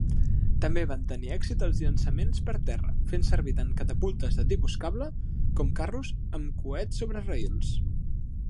També van tenir èxit els llançaments per terra, fent servir tant catapultes de tipus cable com carros amb coets sobre rails.